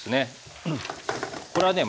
これはね